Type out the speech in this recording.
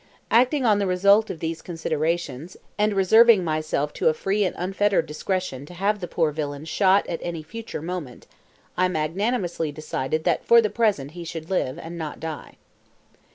Acting on the result of these considerations, and reserving to myself a free and unfettered discretion to have the poor villain shot at any future moment, I magnanimously decided that for the present he should live, and not die.